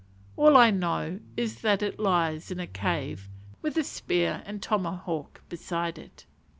All I know is that it lies in a cave, with the spear and tomahawk beside it.